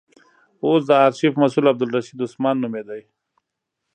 اوس د آرشیف مسئول عبدالرشید عثمان نومېد.